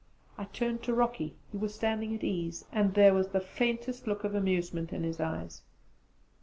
I turned to Rocky: he was standing at ease, and there was the faintest look of amusement in his eyes.